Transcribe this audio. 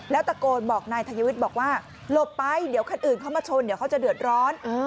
แล้วตะโกนบอกนายทยวิทย์บอกว่าหลบไปเดี๋ยวคันอื่นเขามาชนเดี๋ยวเขาจะเดือดร้อน